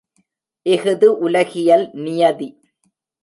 இஃது உலகியல் நியதி.